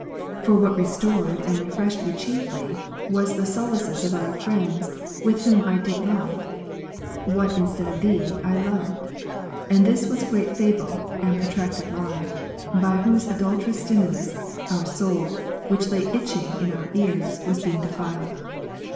For what restored and re freshed mechiefly, was thesolacesof other friends, with whom I did love, what instead of Thee I loved : and this was a great fable, and protracted lie, by whose adulterous stimulus, our soul, which lay itching in our ears, was being defiled.